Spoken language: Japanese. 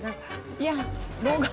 いや、老眼。